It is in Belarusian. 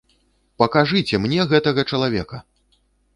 Пакажыце мне гэтага чалавека!